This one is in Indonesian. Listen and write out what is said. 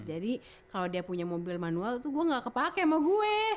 jadi kalau dia punya mobil manual tuh gue gak kepake sama gue